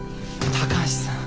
高橋さん